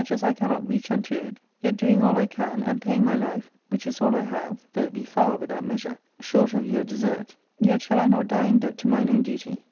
Sook IK 429 cannot reach "unto it, yet doing all I can, and paying my life, which is all I have, though it be far, without measure, short of your desert, yet shall I not die in debt to mine own duty.